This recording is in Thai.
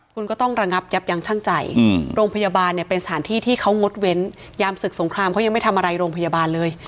คุณก็ต้องระงับยับยังช่างใจโรงพยาบาลเนี่ยเป็นสถานที่ที่เขางดเว้นยามศึกสงครามเขายังไม่ทำอะไรโรงพยาบาลเลย